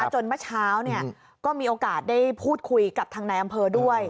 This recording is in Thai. เมื่อเช้าก็มีโอกาสได้พูดคุยกับทางนายอำเภอด้วย